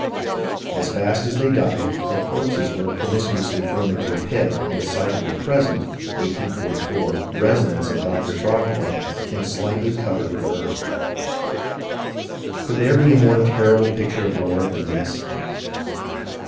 As fast as they died their corpses were promiscu ously thrown into a pit on the site of the present (1844) residence of Dr. Throckmorton, and slightly covered with earth." Could there be a more terrible picture of war than this